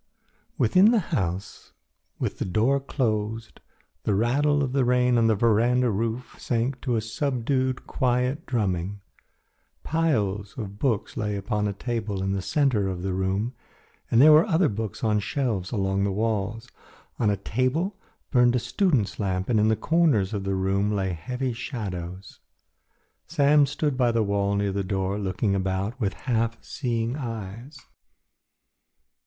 Within the house, with the door closed, the rattle of the rain on the veranda roof sank to a subdued, quiet drumming. Piles of books lay upon a table in the centre of the room and there were other books on the shelves along the walls. On a table burned a student's lamp and in the corners of the room lay heavy shadows. Sam stood by the wall near the door looking about with half seeing eyes.